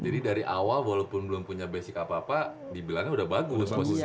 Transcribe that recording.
jadi dari awal walaupun belum punya basic apa apa dibilangnya udah bagus posisinya